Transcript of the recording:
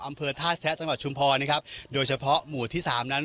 อำเภอท่าแซะจังหวัดชุมพรนะครับโดยเฉพาะหมู่ที่สามนั้น